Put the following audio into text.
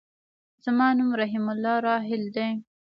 زما نوم رحيم الله راحل دی.